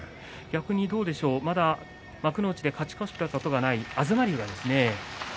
逆にどうでしょう幕内で勝ち越したことがない東龍。